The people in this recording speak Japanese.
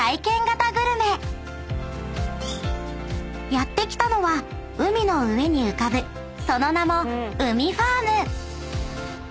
［やって来たのは海の上に浮かぶその名も］